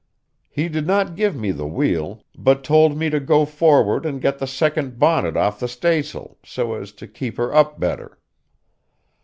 He did not give me the wheel, but told me to go forward and get the second bonnet off the staysail, so as to keep her up better.